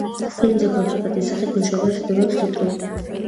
ფილმზე კონსულტანტის სახით მუშაობდა თედორე ხიტრუკი.